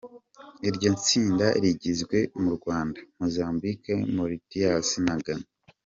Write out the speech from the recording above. Iryo tsinda rigizwe n’u Rwanda, Mozambique, Mauritius na Ghana.